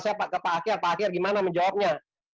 saya ke pak akir pak akhir gimana menjawabnya